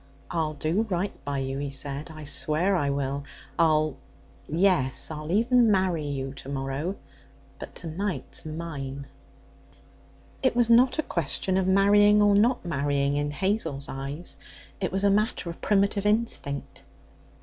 'I'll do right by you,' he said; 'I swear I will. I'll yes, I'll even marry you to morrow. But to night's mine.' It was not a question of marrying or not marrying in Hazel's eyes. It was a matter of primitive instinct.